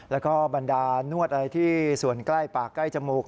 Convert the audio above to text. แล้วก็บรรดานวดอะไรที่ส่วนใกล้ปากใกล้จมูก